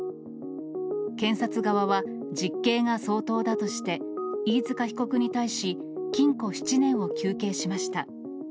検察側は実刑が相当だとして、飯塚被告に対し、禁錮７年を求刑しました。